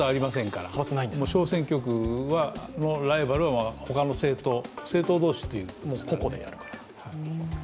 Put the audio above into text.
小選挙区のライバルは他の政党、政党同士という個々でやるから。